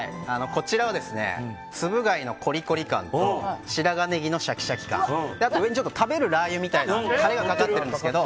こちらはつぶ貝のコリコリ感と白髪ネギのシャキシャキ感あと上に食べるラー油みたいなタレがかかってるんですけど